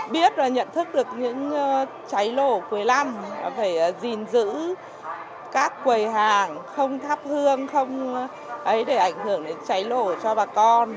biết và nhận thức được những cháy nổ cuối năm phải gìn giữ các quầy hàng không thắp hương để ảnh hưởng đến cháy nổ cho bà con